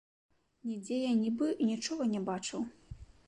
Нідзе я не быў і нічога не бачыў.